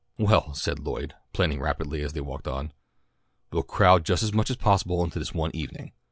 "Well," said Lloyd, planning rapidly as they walked on. "We'll crowd just as much as possible into this one evening.